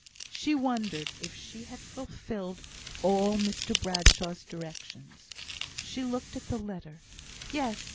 She wondered if she had fulfilled all Mr Bradshaw's directions. She looked at the letter. Yes!